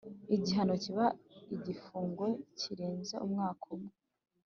igihano kiba igifungo kirenze umwaka umwe